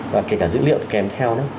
và kể cả dữ liệu kèm theo